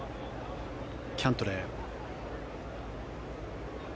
キャントレー。